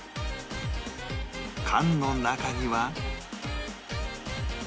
缶の中には